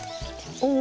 お！